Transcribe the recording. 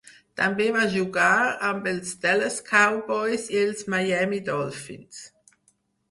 També va jugar amb els Dallas Cowboys i els Miami Dolphins.